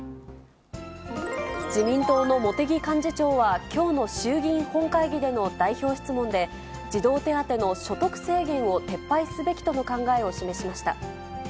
自民党の茂木幹事長は、きょうの衆議院本会議での代表質問で、児童手当の所得制限を撤廃すべきとの考えを示しました。